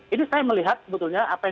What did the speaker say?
ini saya melihat sebetulnya apa yang